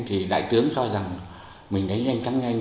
thì đại tướng cho rằng mình đánh nhanh thắng nhanh